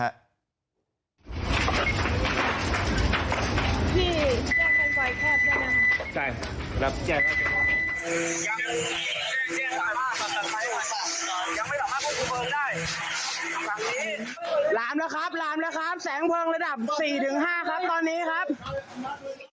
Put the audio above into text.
ลามแล้วครับแสงเพลิงระดับ๔๕ครับตอนนี้ครับ